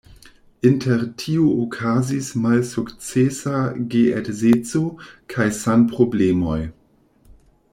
Inter tiu okazis malsukcesa geedzeco kaj sanproblemoj.